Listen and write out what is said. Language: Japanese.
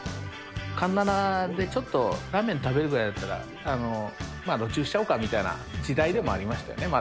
環七でちょっとラーメン食べるぐらいだったら、路駐しちゃおうかっていう時代でもありましたよね、まだ。